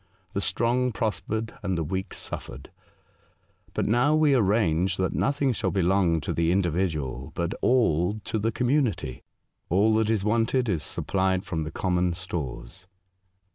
The strong prospered, and the weak suffered. But now we arrange that nothing shall belong to the individual, but all to the community. All that is wanted is supplied from the common stores."